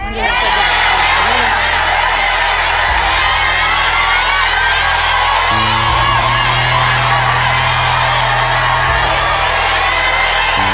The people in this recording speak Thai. เรียกกันเลย